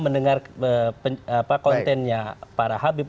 mendengar kontennya para habib